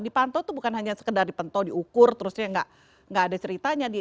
dipantau itu bukan hanya sekedar dipantau diukur terusnya nggak ada ceritanya